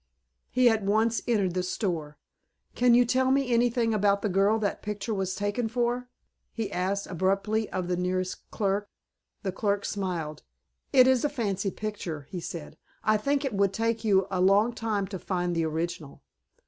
He at once entered the store. "Can you tell me anything about the girl that picture was taken for?" he asked, abruptly of the nearest clerk. The clerk smiled. "It is a fancy picture," he said. "I think it would take you a long time to find the original."